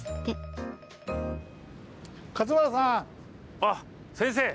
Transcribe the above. あっ先生！